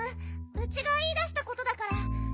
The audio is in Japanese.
ウチがいいだしたことだから。